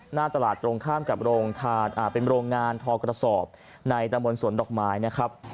หน้าตลาดตรงข้ามกับโรงทานเป็นโรงงานทอกระสอบในตำบลสวนดอกไม้นะครับ